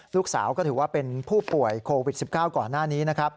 ลูกสาวก็ถือว่าเป็นผู้ป่วยโควิด๑๙ก่อนหน้านี้นะครับ